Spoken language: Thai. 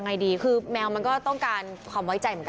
นี่นี่นี่นี่นี่นี่นี่